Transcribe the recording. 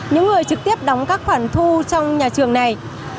những người trực tiếp đóng các khoản thu trong nhà trường này